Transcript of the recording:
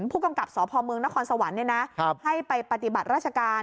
ผู้กำกับสพเมืองนครสวรรค์ให้ไปปฏิบัติราชการ